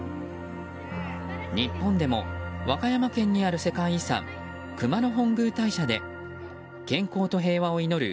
日本でも、和歌山県にある世界遺産・熊野本宮大社で健康と平和を祈る